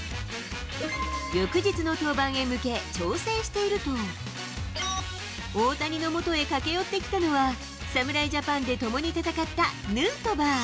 翌日の登板へ向け、調整していると、大谷のもとへ駆け寄ってきたのは、侍ジャパンで共に戦ったヌートバー。